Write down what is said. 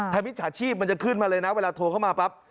ถ้ามิจฉาชีพมันจะขึ้นมาเลยนะเวลาโทรเข้ามาปั๊บ